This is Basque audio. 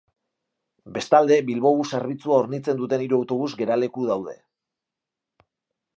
Bestalde, Bilbobus zerbitzua hornitzen duten hiru autobus geraleku daude.